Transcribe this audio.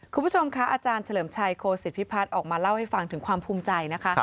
คุณผู้ชมคะอาจารย์เฉลิมชัยโคศิพิพัฒน์ออกมาเล่าให้ฟังถึงความภูมิใจนะคะ